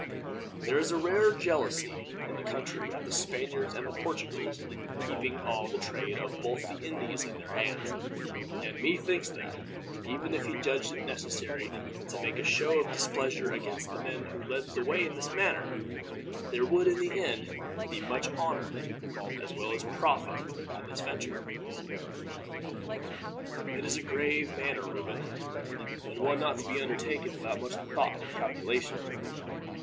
There is a rare jealousy in the country, at the Spaniards and Portugals keeping all the trade of both the Indies in their hands; and methinks that, even if he judged it necessary to make a show of displeasure against the men who led the way in this matter, there would in the end be much honor, as well as profit, in this venture." "It is a grave matter, Reuben, and one not to be undertaken without much thought and calculation.